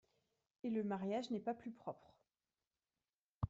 Et le mariage n'est pas plus propre.